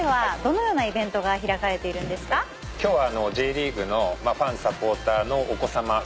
今日は。